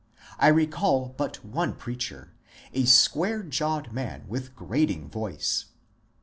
I recall but one preacher, — a square jawed man with grating voice.